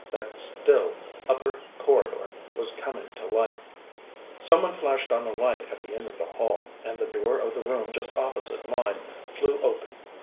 That still, upper corridor was coming to life. Some one flashed on a light at the end of the hall, and the door of the room just opposite mine flew open.